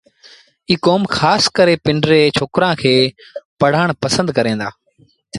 ايٚ ڪوم کآس ڪري پنڊري ڇوڪرآݩ کي پڙهآڻ پسند ڪريݩ دآ